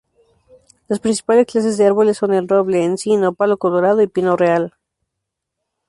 Las principales clases de árboles son: el roble, encino, palo colorado y pino real.